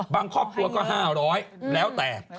ครอบครัวก็๕๐๐แล้วแต่